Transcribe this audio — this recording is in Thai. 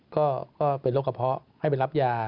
ก็เป็นโรคกระเพาะให้ไปรับยา